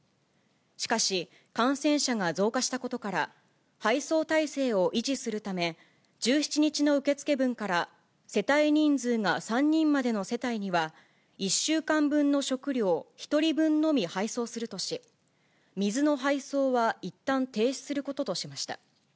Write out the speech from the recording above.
しかし、感染者が増加したことから、配送体制を維持するため、１７日の受け付け分から世帯人数が３人までの世帯には、１週間分の食料１人分のみ配送するとし、水の配送はいったん停止することとしました。